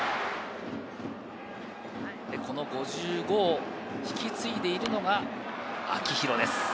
この５５を引き継いでいるのが、秋広です。